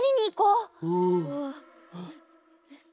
うん。